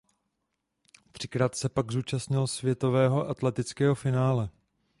Třikrát se pak zúčastnil světového atletického finále.